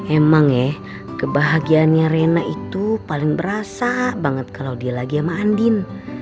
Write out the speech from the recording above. emang ya kebahagiaannya rena itu paling berasa banget kalau dia lagi sama andin